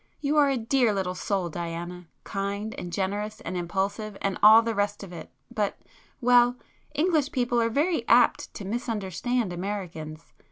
You are a dear little soul Diana,—kind and generous and impulsive and all the rest of it,—but,—well——English people are very apt to misunderstand Americans.